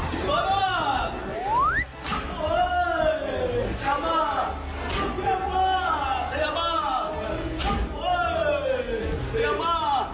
โกรธว่า